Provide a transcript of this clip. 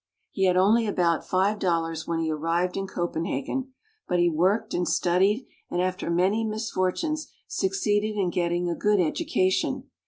He had only about five dollars when he arrived in Copenhagen, but he worked and studied, and after many misfor tunes succeeded in getting a good education.